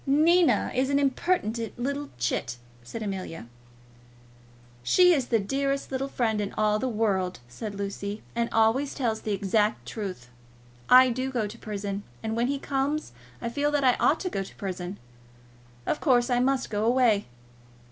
"Nina is an impertinent little chit," said Amelia. "She is the dearest little friend in all the world," said Lucy, "and always tells the exact truth. I do go to prison, and when he comes I feel that I ought to go to prison. Of course, I must go away.